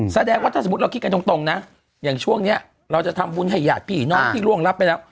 แสดงว่าถ้าสมมุติเราคิดกันตรงนะอย่างช่วงนี้เราจะทำบุญให้ญาติพี่น้องที่ร่วงรับไปแล้ว